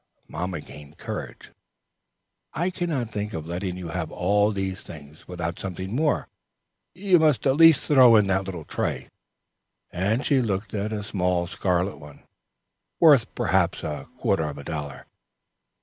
Mamma gained courage. "I can not think of letting you have all these things without something more. You must at least throw in that little tray," and she looked at a small scarlet one, worth perhaps a quarter of a dollar.